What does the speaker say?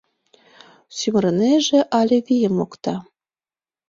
Сӱмырынеже Але вийым мокта?